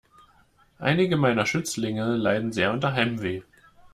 Einige meiner Schützlinge leiden sehr unter Heimweh.